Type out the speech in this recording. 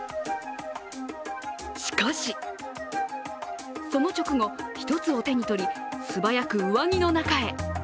しかし、その直後、１つを手に取り、素早く上着の中へ。